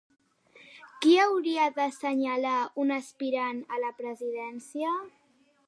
Qui haurà d'assenyalar un aspirant a la presidència?